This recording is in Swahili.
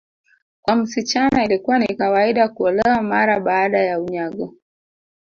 Kwa msichana ilikuwa ni kawaida kuolewa mara baada ya unyago